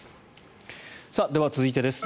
では、続いてです。